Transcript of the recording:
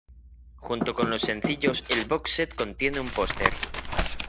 Junto con los sencillos, el "box set" contiene un póster.